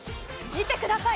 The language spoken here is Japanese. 見てください。